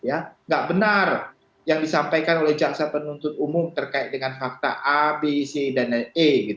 tidak benar yang disampaikan oleh jaksa penuntut umum terkait dengan fakta a b c dan e